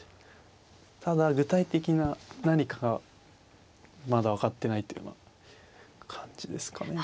ただ具体的な何かがまだ分かってないというような感じですかね。